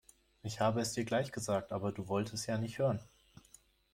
Ich habe es dir gleich gesagt, aber du wolltest ja nicht hören.